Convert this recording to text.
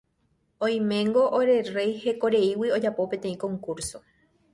Oiméngo ore rey hekoreígui ojapo peteĩ concurso.